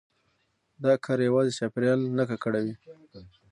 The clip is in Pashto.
دا کار يوازي چاپېريال نه ککړوي،